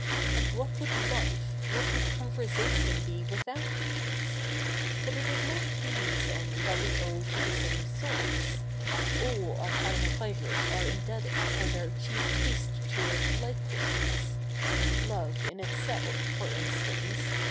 And what would life, what would co7iversation be without these ? But it ■ is not these only that ive owe to the same sou7re. All our filler pleasu7 es are i7idebted for their chief taste to it 172 THE NEW REPUBLIC [i:k. iji likewise. Love i?i itself., for instance.